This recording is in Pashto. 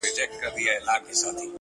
د ګودرونو مازیګر به وو له پېغلو ښکلی.!